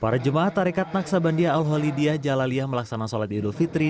para jemaah tarekat naksabandia al holidiyah jalaliyah melaksanakan sholat idul fitri